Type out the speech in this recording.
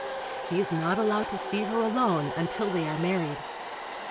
He is not allowed to see her alone until they are married.